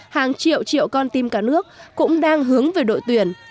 hàng triệu triệu con tim cả nước cũng đang hướng về đội tuyển